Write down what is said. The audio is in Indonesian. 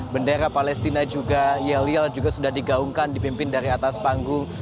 bendera palestina juga yelial juga sudah digaungkan dipimpin dari atas panggung